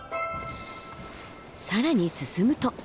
更に進むと。